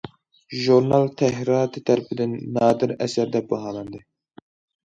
ژۇرنال تەھرىراتى تەرىپىدىن« نادىر ئەسەر» دەپ باھالاندى.